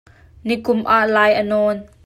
Ni kum ah lai a nawn.